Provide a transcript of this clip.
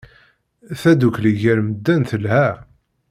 Tadukli gar medden telha.